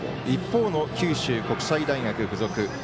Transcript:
一方の九州国際大付属。